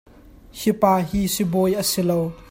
Hi pa hi Sibawi a si lo.